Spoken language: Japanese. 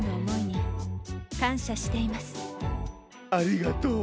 ありがとう。